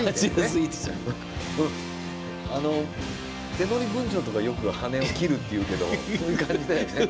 手乗り文鳥とかよく羽を切るっていうけどそういう感じだよね。